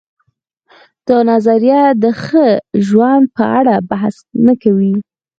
دا نظریه د ښه ژوند په اړه بحث نه کوي.